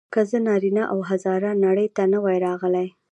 که زه نارینه او هزاره نړۍ ته نه وای راغلی.